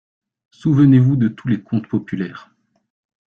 Souvenez-vous de tous les contes populaires.